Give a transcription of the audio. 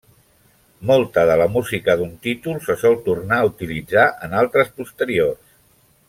Molta de la música d'un títol, se sol tornar a utilitzar en altres posteriors.